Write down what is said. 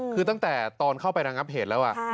คือตั้งแต่ตอนเข้าไประงับเหตุแล้ว